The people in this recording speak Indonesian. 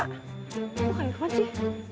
kok kangen banget sih